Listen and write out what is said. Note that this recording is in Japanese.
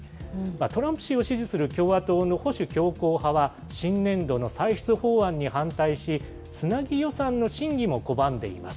トランプ氏を支持する共和党の保守強硬派は、新年度の歳出法案に反対し、つなぎ予算の審議も拒んでいます。